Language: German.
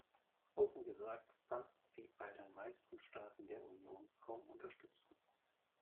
Offen gesagt, fand sie bei den meisten Staaten der Union kaum Unterstützung.